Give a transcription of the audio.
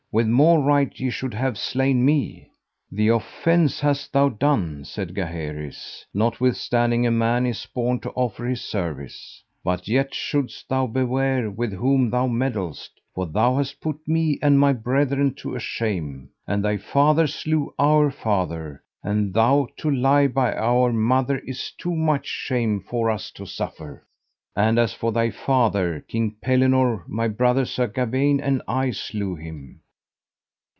with more right ye should have slain me. The offence hast thou done, said Gaheris, notwithstanding a man is born to offer his service; but yet shouldst thou beware with whom thou meddlest, for thou hast put me and my brethren to a shame, and thy father slew our father; and thou to lie by our mother is too much shame for us to suffer. And as for thy father, King Pellinore, my brother Sir Gawaine and I slew him.